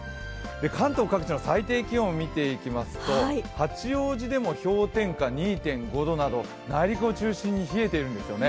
関東各地の最低気温を見ていきますと、八王子でも氷点下２．５度など内陸を中心に冷えてるんですよね。